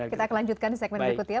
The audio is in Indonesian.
kita lanjutkan di segmen berikut ya